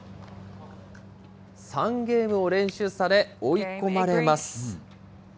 ３ゲームを連取され、追い込まれます。